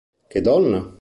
Che donna!